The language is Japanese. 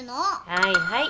はいはい。